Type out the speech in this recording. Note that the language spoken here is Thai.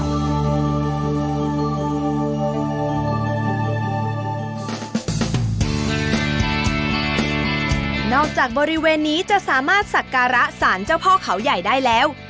นอกจากบริเวณนี้จะสามารถสักการะสารเจ้าพ่อเขาใหญ่ได้แล้ว